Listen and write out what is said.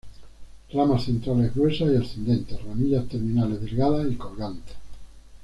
Ramas centrales gruesas y ascendentes; ramillas terminales delgadas y colgantes.